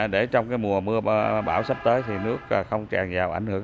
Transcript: để trong mùa mưa bão sắp tới thì nước không tràn vào ảnh hưởng sản xuất của người dân